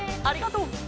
ありがとう！